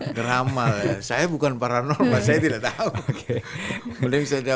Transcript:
ngeramal ya saya bukan paranormal saya tidak tahu